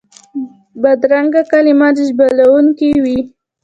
بدرنګه کلمات ژوبلونکي وي